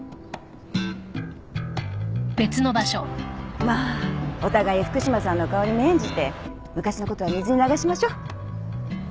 まあお互い福島さんの顔に免じて昔のことは水に流しましょう。